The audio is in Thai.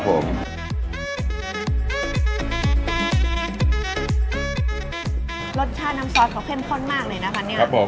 สวัสดีครับ